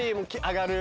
上がる。